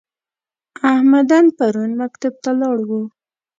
احمدن پرون مکتب ته لاړ و؟